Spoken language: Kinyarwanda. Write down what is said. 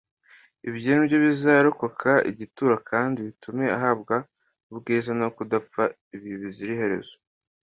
ibyo ni byo bizarokoka igituro kandi bitume ahabwa ubwiza no kudapfa ibihe bizira iherezo